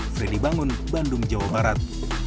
freddy bangun bandung jawa barat